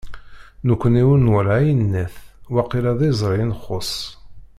Nekni ur nwala ayennat, waqila d iẓri i nxuṣ.